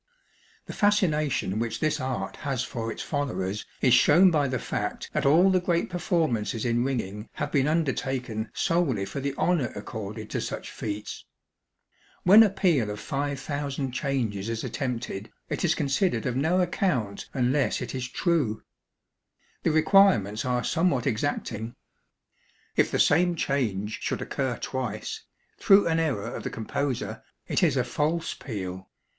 The fascination which this art has for its followers is shewn by the fact that all the great performances in ringing have been undertaken solely for the honour accorded to such feats. When a peal of five thousand changes is attempted, it is considered of no account unless it is 'true.' The requirements are somewhat exacting. If the same change should occur twice, through an error of the composer, it is a 'false' peal.